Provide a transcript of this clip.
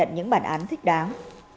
những bản án thích đáng